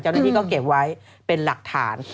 เจ้าหน้าที่ก็เก็บไว้เป็นหลักฐาน